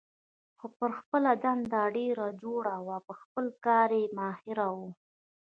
خو پر خپله دنده ډېره جوړه وه، په خپل کار کې ماهره وه.